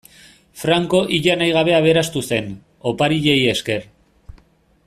Franco ia nahi gabe aberastu zen, opariei esker.